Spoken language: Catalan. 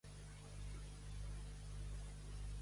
Amb quina frase el reconforta una persona?